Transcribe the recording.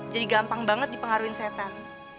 jadi gampang banget dipengaruhin setan